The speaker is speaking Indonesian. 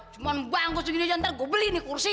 cuma bangkus gini aja nanti gue beli nih kursi